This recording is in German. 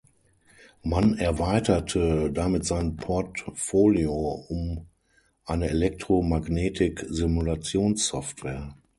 Man erweiterte damit sein Portfolio um eine Elektromagnetik-Simulationssoftware.